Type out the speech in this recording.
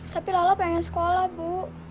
tapi lala pengen sekolah bu